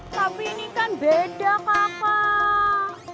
tapi ini kan beda kakak